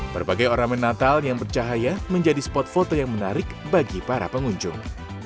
berbagai ornamen natal yang bercahaya menjadi spot foto yang menarik bagi para pengunjung